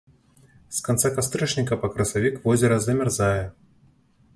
З канца кастрычніка па красавік возера замярзае.